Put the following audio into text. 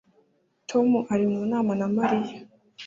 Tom ari mu nama na Mariya